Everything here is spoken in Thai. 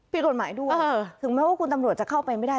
ผิดกฎหมายด้วยถึงแม้ว่าคุณตำรวจจะเข้าไปไม่ได้